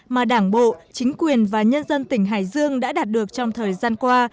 mà đảng bộ chính quyền và nhân dân tỉnh hải dương đã đạt được trong thời gian qua